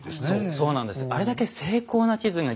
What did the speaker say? そうなんです。